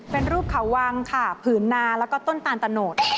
เป็นรูปเขาวังค่ะผืนนาแล้วก็ต้นตาลตะโนด